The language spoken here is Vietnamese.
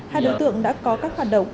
hai đối tượng đã có các hoạt động